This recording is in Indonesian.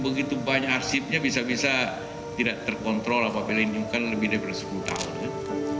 begitu banyak arsipnya bisa bisa tidak terkontrol apabila ini kan lebih dari sepuluh tahun